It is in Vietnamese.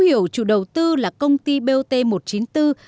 chứ ở đây chúng tôi không thể nói lên tiền được